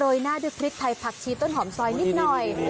โดยหน้าด้วยพริกไทยผักชีต้นหอมซอยนิดหน่อย